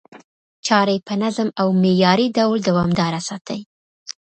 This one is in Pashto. چاري په منظم او معياري ډول دوامداره ساتي،